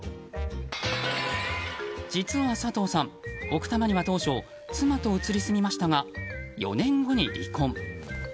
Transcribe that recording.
実は佐藤さん、奥多摩には当初妻と移り住みましたが４年後に離婚。